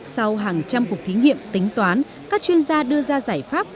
sau hàng trăm cuộc thí nghiệm tính toán các chuyên gia đưa ra giải pháp